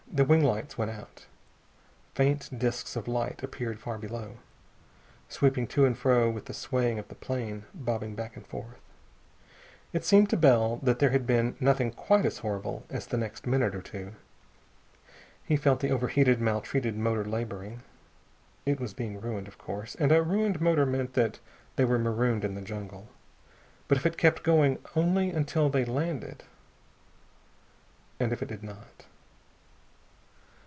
The wing lights went on. Faint disks of light appeared far below, sweeping to and fro with the swaying of the plane, bobbing back and forth. It seemed to Bell that there had been nothing quite as horrible as the next minute or two. He felt the over heated, maltreated motor laboring. It was being ruined, of course and a ruined motor meant that they were marooned in the jungle. But if it kept going only until they landed. And if it did not....